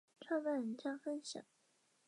创办人将分享